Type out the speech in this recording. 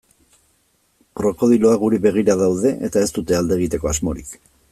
Krokodiloak guri begira daude eta ez dute alde egiteko asmorik.